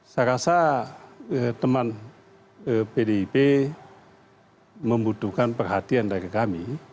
saya rasa teman pdip membutuhkan perhatian dari kami